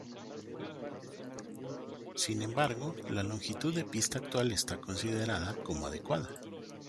Sin embargo, la longitud de pista actual está considerada como adecuada.